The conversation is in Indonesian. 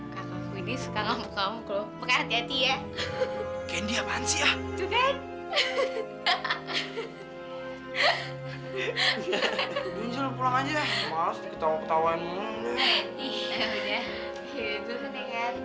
kakakku ini suka ngamuk ngamuk loh makanya hati hati ya candy apaan sih ya itu kan